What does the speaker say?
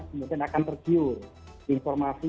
kemudian akan tergiur informasi